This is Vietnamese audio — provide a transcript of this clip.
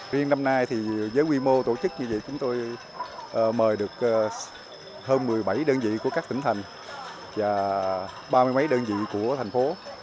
riêng năm nay thì với quy mô tổ chức như vậy chúng tôi mời được hơn một mươi bảy đơn vị của các tỉnh thành và ba mươi mấy đơn vị của thành phố